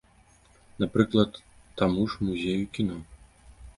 Напрыклад, таму ж музею кіно.